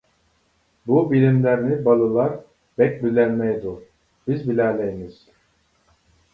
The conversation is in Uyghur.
بۇ بىلىملەرنى بالىلار بەك بىلەلمەيدۇ، بىز بىلەلەيمىز.